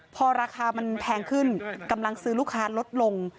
พอราคามันแพงขึ้นกำลังซื้อลูกค้าลดลง